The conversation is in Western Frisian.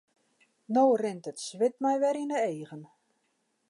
No rint it swit my wer yn 'e eagen.